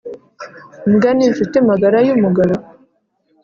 imbwa ninshuti magara yumugabo?